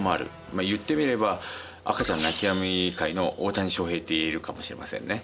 まあ言ってみれば赤ちゃん泣き止み界の大谷翔平っていえるかもしれませんね。